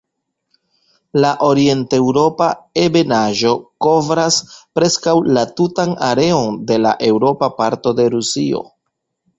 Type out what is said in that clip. La orienteŭropa ebenaĵo kovras preskaŭ la tutan areon de la eŭropa parto de Rusio.